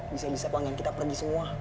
bisa bisa panggilan kita pergi semua